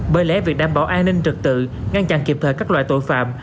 bởi lẽ việc đảm bảo an ninh trật tự ngăn chặn kịp thời các loại tội phạm